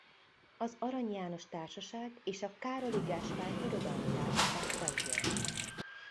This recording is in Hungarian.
Az Arany János Társaság és a Károli Gáspár Irodalmi Társaság tagja.